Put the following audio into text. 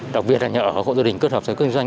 đặc biệt là nhà ở hộ gia đình kết hợp với kinh doanh